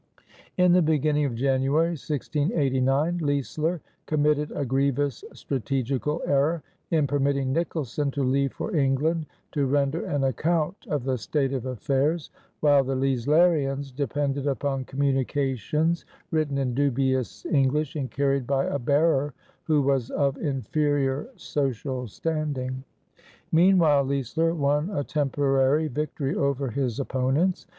In the beginning of January, 1689, Leisler committed a grievous strategical error in permitting Nicholson to leave for England to render an account of the state of affairs, while the Leislerians depended upon communications written in dubious English and carried by a bearer who was of inferior social standing. Meanwhile Leisler won a temporary victory over his opponents.